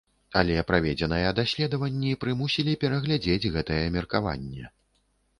Але праведзеныя даследаванні прымусілі перагледзець гэтае меркаванне.